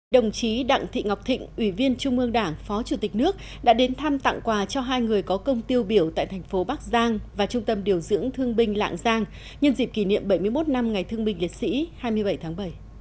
đồng chí đặng thị ngọc thịnh ủy viên trung ương đảng phó chủ tịch nước đã đến thăm tặng quà cho hai người có công tiêu biểu tại thành phố bắc giang và trung tâm điều dưỡng thương binh lạng giang nhân dịp kỷ niệm bảy mươi một năm ngày thương binh liệt sĩ hai mươi bảy tháng bảy